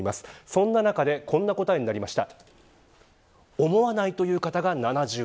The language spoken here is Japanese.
そんな中でこのような答えになりました。